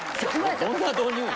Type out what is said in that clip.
どんな導入や。